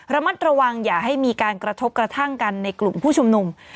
ระมัดระวังอย่าให้มีการกระทบกระทั่งกันในกลุ่มผู้ชุมนุม